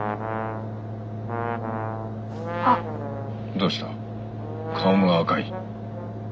どうした顔が赤い。